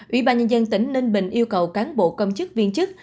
ủy ban nhân dân tỉnh ninh bình yêu cầu cán bộ công chức viên chức